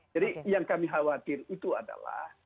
jadi yang kami khawatir itu adalah